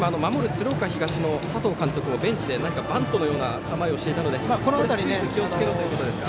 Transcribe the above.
鶴岡東の佐藤監督も今ベンチでバントのような構えをしていたのでスクイズ気をつけろということですか。